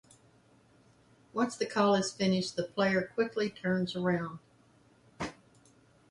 Once the call is finished, the player quickly turns around.